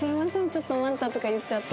「ちょっと待った」とか言っちゃって。